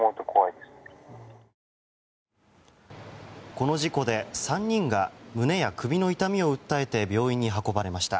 この事故で３人が胸や首の痛みを訴えて病院に運ばれました。